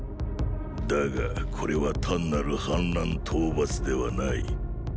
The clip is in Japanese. だがこれは単なる反乱討伐ではない。